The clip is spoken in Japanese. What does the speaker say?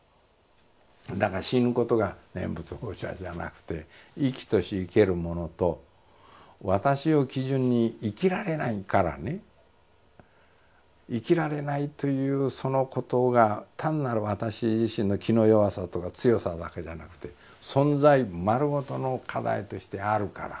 だから死ぬことが念仏往生じゃなくて生きとし生けるものと私を基準に生きられないからね生きられないというそのことが単なる私自身の気の弱さとか強さだけじゃなくて存在丸ごとの課題としてあるからね。